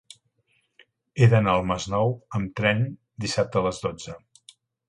He d'anar al Masnou amb tren dissabte a les dotze.